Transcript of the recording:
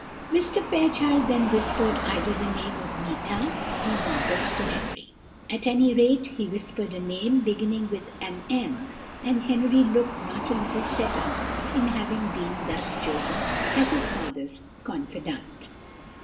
Mr. Fairchild then whispered either the name of Meeta or Margot to Henry; at any rate, he whispered a name beginning with an "M," and Henry looked not a little set up in having been thus chosen as his father's confidant.